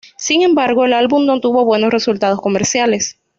Sin embargo, el álbum no tuvo buenos resultados comerciales.